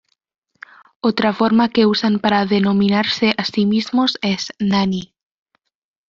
Otra forma que usan para denominarse a sí mismos es "nani".